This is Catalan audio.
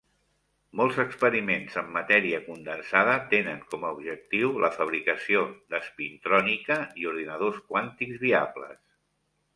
Molts experiments en matèria condensada tenen com a objectiu la fabricació d'espintrònica i ordinadors quàntics viables.